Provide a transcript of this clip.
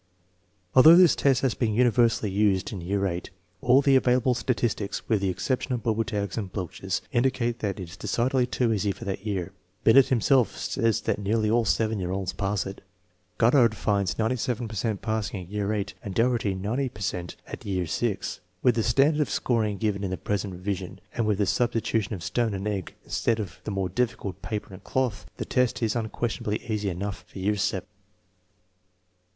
Although this test has been universally used in year VIII, all the available statistics, with the exception of Bobertag's and Bloch's, indicate that it is decidedly too easy for that year. Binet himself says that nearly all 7 year olds pass it. Goddard finds 97 per cent passing at year VIII, and Dougherty 90 per cent at year VI. With the standard of scoring given in the present revision, and with the substitu tion of stone and egg instead of the more difficult ^pa/per and cloth, the test is unquestionably easy enough for year VII.